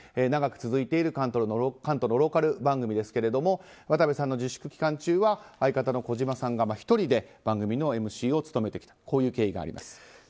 長く続いている関東のローカル番組ですけれども渡部さんの自粛期間中は相方の児嶋さんが１人で番組のＭＣを務めてきたという経緯があります。